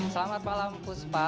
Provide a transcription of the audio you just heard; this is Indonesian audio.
selamat malam puspa